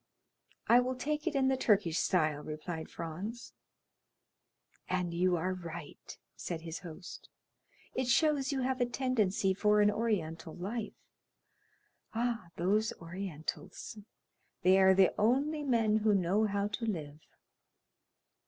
"I will take it in the Turkish style," replied Franz. "And you are right," said his host; "it shows you have a tendency for an Oriental life. Ah, those Orientals; they are the only men who know how to live.